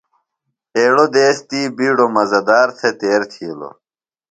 ایڑوۡ دیس تی بِیڈوۡ مزہ دار تھےۡ تیر تِھیلوۡ۔